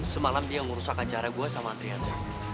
semalam dia yang ngerusak acara gue sama triana